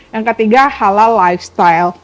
yang ketiga halal lifestyle